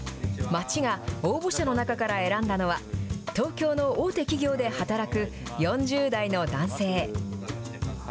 町が応募者の中から選んだのは、東京の大手企業で働く、４０代の男性。